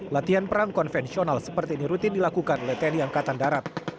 latihan perang konvensional seperti ini rutin dilakukan oleh tni angkatan darat